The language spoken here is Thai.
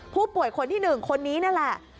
ผู้ป่วยคนที่๑คนนี้นั่นแหละ